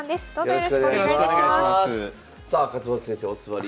よろしくお願いします。